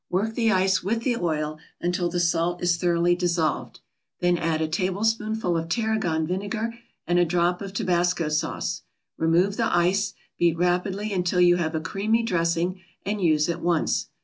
Work the ice with the oil until the salt is thoroughly dissolved, then add a tablespoonful of tarragon vinegar and a drop of Tabasco sauce. Remove the ice, beat rapidly until you have a creamy dressing, and use at once.